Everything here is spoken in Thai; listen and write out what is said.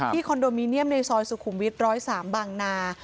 คอนโดมิเนียมในซอยสุขุมวิท๑๐๓บางนา